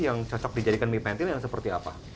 yang cocok dijadikan mie pentil yang seperti apa